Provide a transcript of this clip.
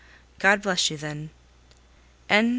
God bless you, then! XXIX.